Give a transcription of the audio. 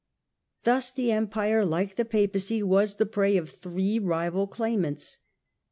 Thus the Em pire, like the Papacy, was the prey of three rival claim ants.